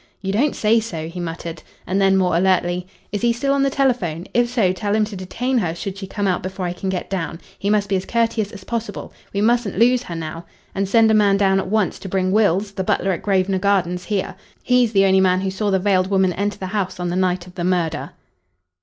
"You don't say so?" he muttered. And then, more alertly, "Is he still on the telephone? If so, tell him to detain her should she come out before I can get down. He must be as courteous as possible. We mustn't lose her now. And send a man down at once to bring Wills, the butler at Grosvenor Gardens, here. He's the only man who saw the veiled woman enter the house on the night of the murder."